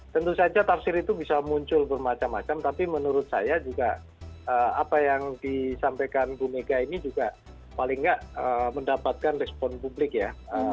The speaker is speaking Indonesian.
tentu saja tafsir itu bisa muncul bermacam macam tapi menurut saya juga apa yang disampaikan bu mega ini juga paling nggak mendapatkan respon publik ya